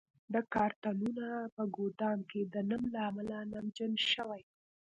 دا کارتنونه په ګدام کې د نم له امله نمجن شوي.